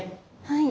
はい。